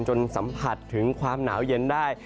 สัมผัสถึงความหนาวเย็นได้